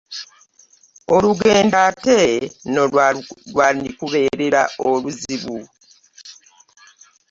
Olugendo ate nno lwandikubeerera oluzibu.